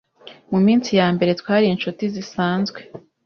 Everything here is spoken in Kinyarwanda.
Mu minsi yambere twari inshuti zisanzwe